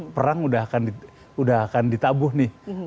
perang udah akan ditabuh nih